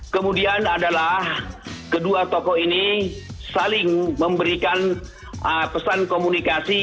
kemudian adalah kedua tokoh ini saling memberikan pesan komunikasi